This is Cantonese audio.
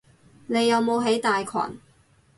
你有冇喺大群？